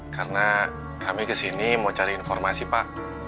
karena kami kesini mau cari informasi pak